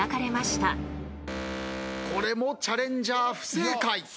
これもチャレンジャー不正解。